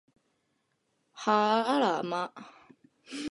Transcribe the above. はあら、ま